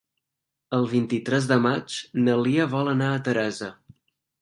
El vint-i-tres de maig na Lia vol anar a Teresa.